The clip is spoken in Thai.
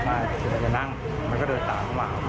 พระพระจะนั่งมันก็เดินตามเข้ามา